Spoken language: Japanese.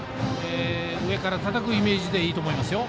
上からたたくイメージでいいと思いますよ。